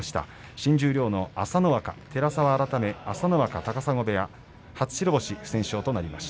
新十両の朝乃若、寺沢改め朝乃若高砂部屋、初白星です。